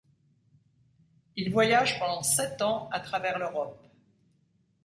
Il voyage pendant sept ans à travers l'Europe.